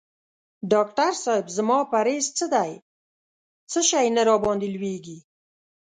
ډاکټر صېب زما پریز څه دی څه شی نه راباندي لویږي؟